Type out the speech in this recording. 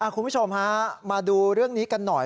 คุณผู้ชมฮะมาดูเรื่องนี้กันหน่อย